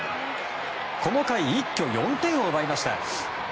この回、一挙４点を奪いました。